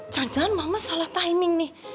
jangan jangan mama salah timing nih